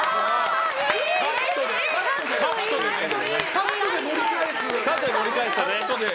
カットで盛り返したね。